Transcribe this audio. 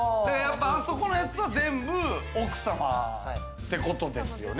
あそこのやつは全部奥さまってことですよね？